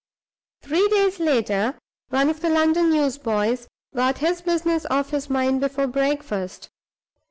Three days later, one of the London newsboys got his business off his mind before breakfast.